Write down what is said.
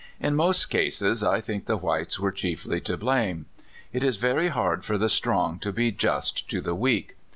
In most cases I think the whites were chiefly to blame. It is very hard for the strong to be just to the weak.